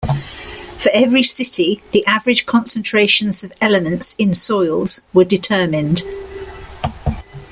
For every city the average concentrations of elements in soils were determined.